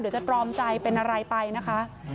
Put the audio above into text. เดี๋ยวจะตรอมใจเป็นอะไรไปนะคะ